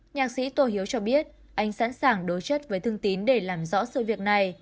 nhạc sĩ tô hiếu cho biết anh sẵn sàng đối chất với thương tín để làm rõ sự việc này